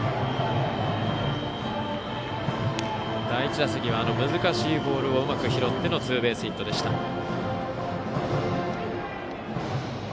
第１打席は難しいボールをうまく拾ってのツーベースヒットでした。